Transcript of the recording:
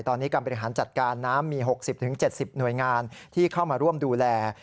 ตอนนี้การบริหารจัดการน้ำมี๖๐๗๐หน่วยงานที่เข้ามาร่วมดูแล